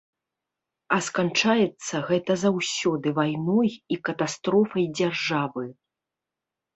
А сканчаецца гэта заўсёды вайной і катастрофай дзяржавы.